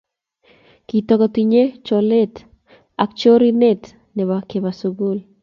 Kitoku kotinyei cholatet ak chorirenet nebo keba sugul